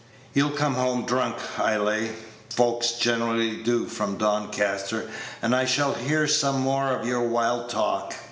"You'll come home drunk, I lay; folks generally do from Doncaster; and I shall hear some more of your wild talk.